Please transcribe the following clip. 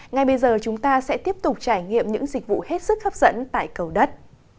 ngay bây giờ chúng ta sẽ tiếp tục trải nghiệm những dịch vụ hết sức hấp dẫn tại cầu đất